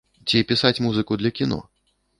Ці пісаць музыку для кіно?